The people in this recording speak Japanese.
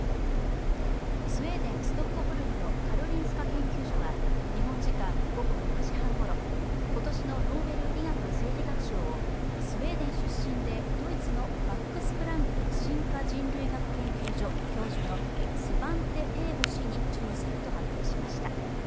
スウェーデン・ストックホルムのカロリンスカ研究所は日本時間の午後６時半ごろ今年のノーベル医学生理学賞をスウェーデン出身でドイツのマックス・プランク進化人類学研究所教授のスバンテ・ペーボ氏に授与すると発表しました。